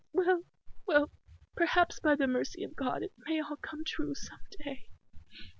Well, well, perhaps, by the mercy of God it may all come true some day."